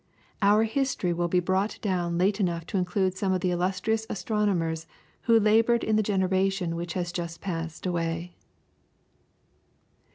Our history will be brought down late enough to include some of the illustrious astronomers who laboured in the generation which has just passed away.